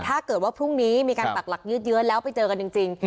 ถ้าเกิดว่าพรุ่งนี้มีการปักหลักยืดเยื้อแล้วไปเจอกันจริง